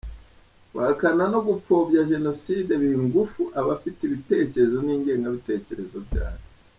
Guhakana no gupfobya Jenoside biha ingufu abafite ibitekerezo n’ingengabitekerezo byayo.